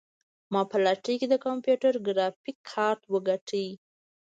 ما په لاټرۍ کې د کمپیوټر ګرافیک کارت وګاټه.